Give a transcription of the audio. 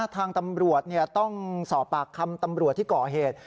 ทางตำรวจต้องสอบปากคำตำรวจที่ก่อเหตุ